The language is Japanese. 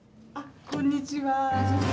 こんにちは。